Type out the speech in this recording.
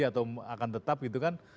atau akan tetap gitu kan